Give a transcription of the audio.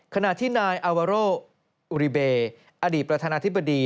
ขณะที่นายอาวาโรอุริเบอดีตประธานาธิบดี